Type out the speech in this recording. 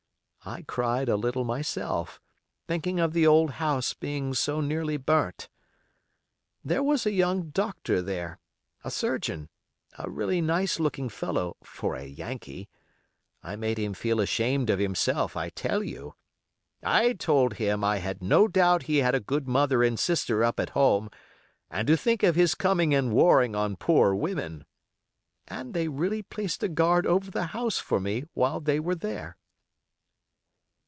I cried a little myself, thinking of the old house being so nearly burnt. There was a young doctor there, a surgeon, a really nice looking fellow for a Yankee; I made him feel ashamed of himself, I tell you. I told him I had no doubt he had a good mother and sister up at home, and to think of his coming and warring on poor women. And they really placed a guard over the house for me while they were there."